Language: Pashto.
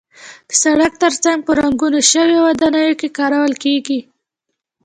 د سړک تر څنګ په ړنګو شویو ودانیو کې کارول کېږي.